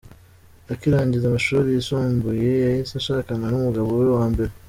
Akirangiza amashuri yisumbuye, yahise ashakana n’umugabo we wa mbere.